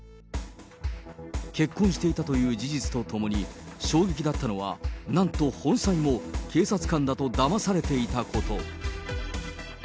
結婚していたという事実とともに、衝撃だったのはなんと本妻も、警察官だとだまされていたこと。